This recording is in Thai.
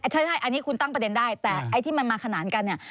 ใช่อันนี้คุณตั้งประเด็นได้แต่ไอ้ที่มันมาขนานกันเนี่ย